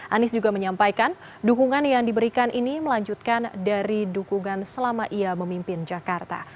anies juga menyampaikan dukungan yang diberikan ini melanjutkan dari dukungan selama ia memimpin jakarta